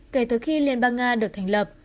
kể từ khi liên bang nga được thành lập